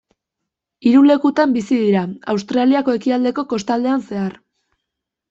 Hiru lekutan bizi dira, Australiako ekialdeko kostaldean zehar.